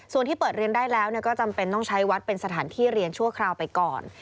ส่วนที่เปิดเรียนได้แล้วก็จำเป็นต้องใช้วัดเป็นสถานที่เรียนชั่วคราวไปก่อน